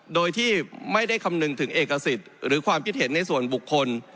โดยที่ไม่ได้คำนึงถึงเอกสิทธิ์หรือความคิดเห็นในส่วนบุคคล